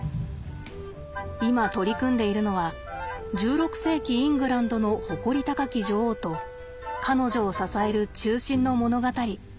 今取り組んでいるのは１６世紀イングランドの誇り高き女王と彼女を支える忠臣の物語。